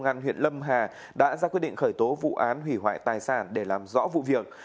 công an huyện lâm hà đã ra quyết định khởi tố vụ án hủy hoại tài sản để làm rõ vụ việc